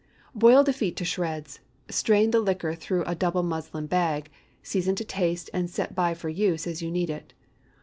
Boil the feet to shreds; strain the liquor through a double muslin bag; season to taste, and set by for use, as you need it.